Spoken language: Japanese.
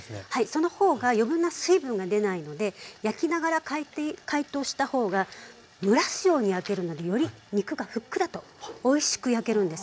その方が余分な水分が出ないので焼きながら解凍した方が蒸らすように焼けるのでより肉がふっくらとおいしく焼けるんですよ。